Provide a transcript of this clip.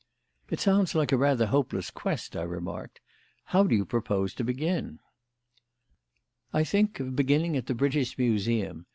"It sounds like a rather hopeless quest," I remarked. "How do you propose to begin?" "I think of beginning at the British Museum.